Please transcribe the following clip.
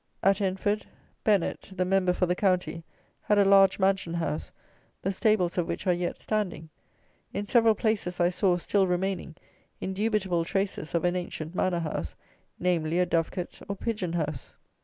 At Enford, Bennet, the Member for the county, had a large mansion house, the stables of which are yet standing. In several places, I saw, still remaining, indubitable traces of an ancient manor house, namely a dove cote or pigeon house.